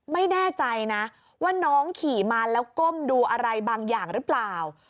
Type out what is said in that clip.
ไม่แน่ใจนะว่าน้องขี่มาแล้วก้มดูอะไรบางอย่างหรือเปล่า